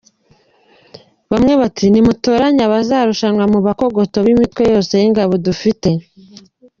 Bamwe bati "Nimutoranye abazarushanwa mu bakogoto b’imitwe yose y’ingabo dufite.